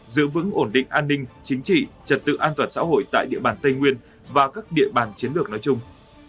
giữ vững ổn định an ninh chính trị trật tự an toàn xã hội tại địa bàn tây nguyên và các địa bàn chiến lược nói chung